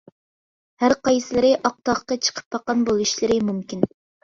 ھەر قايسىلىرى ئاق تاغقا چىقىپ باققان بولۇشلىرى مۇمكىن.